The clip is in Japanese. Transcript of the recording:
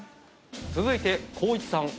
続いて光一さん。